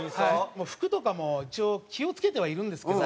服とかも一応気を付けてはいるんですけど。